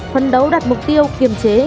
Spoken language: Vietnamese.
khuân đấu đặt mục tiêu kiềm chế